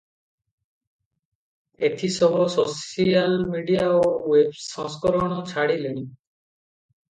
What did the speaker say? ଏଥି ସହ social media ଓ ୱେବ ସଂସ୍କରଣ ଛାଡ଼ିଲେଣି ।